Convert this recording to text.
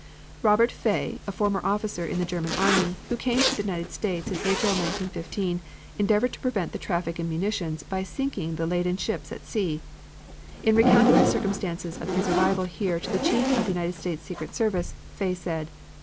Robert Fay, a former officer in the German army, who came to the United States in April, 1915, endeavored to prevent the traffic in munitions by sinking the laden ships at sea. In recounting the circumstances of his arrival here to the chief of the United States secret service, Fay said